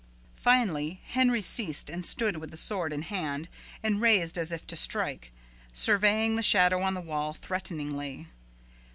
Finally Henry ceased and stood with the sword in hand and raised as if to strike, surveying the shadow on the wall threateningly.